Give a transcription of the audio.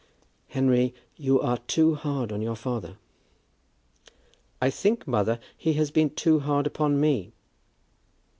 "Henry, you are too hard on your father." "I think, mother, he has been too hard upon me."